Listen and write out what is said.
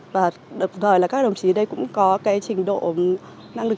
và đồng thời là các đồng chí đây cũng có cái trình độ năng lực